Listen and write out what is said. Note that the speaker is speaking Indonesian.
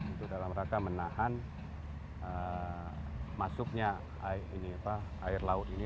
untuk dalam rangka menahan masuknya air laut ini